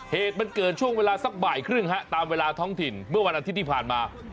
เหตุมันเกิดช่วงเวลาสักบ่ายครึ่งฮะตามเวลาท้องถิ่นเมื่อวันอาทิตย์ที่ผ่านมา